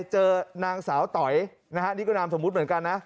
เจอนางสาวต๋อยนะฮะนี่ก็นามสมมุติเหมือนกันนะ